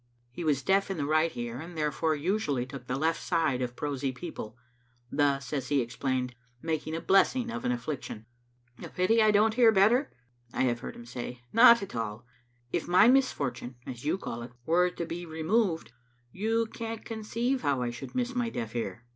He was deaf in the right ear, and therefore usually took the left side of prosy people, thus, as he explained, making a blessing of an af&iction. "A pity I don't hear better?" I have heard him say. " Not at all. If my misfortune, as you call it, were to be removed, you can't conceive how I should miss my deaf ear."